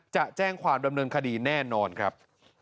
จะแจ้งความดำเนินคดีแน่นอนครับ